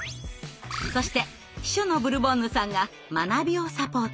そして秘書のブルボンヌさんが学びをサポートします。